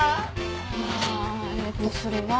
あえっとそれは。